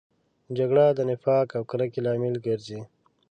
جګړه د نفاق او کرکې لامل ګرځي